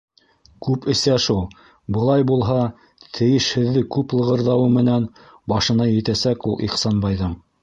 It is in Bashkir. Күп эсә шул, былай булһа, тейешһеҙҙе күп лығырҙауы менән башына етәсәк ул Ихсанбайҙың.